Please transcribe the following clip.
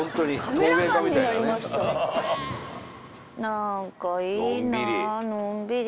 何かいいなのんびり。